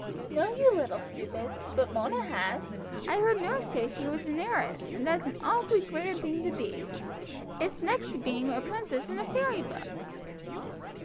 "No, you little stupid, but Mona has. I heard nurse say she was an heiress, and that's an awfully grand thing to be, it's next to being a princess in a fairy book."